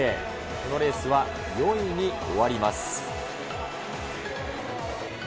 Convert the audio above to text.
このレースは４位に終わります。